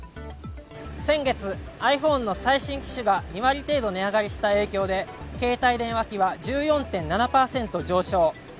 先月、ｉＰｈｏｎｅの最新機種が２割程度値上がりした影響で携帯電話機は１４．７％上昇。